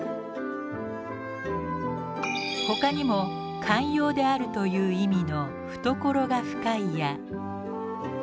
他にも寛容であるという意味の「懐が深い」や。